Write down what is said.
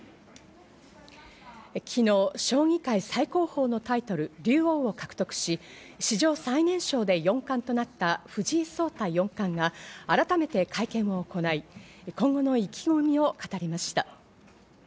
昨日、将棋界最高峰のタイトル竜王を獲得し、史上最年少で四冠となった藤井聡太四冠が、改めて会見を行い、今後の意気込みを語りました。